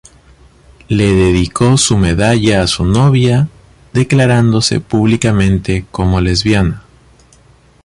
Le dedicó su medalla a su novia, declarándose públicamente como lesbiana.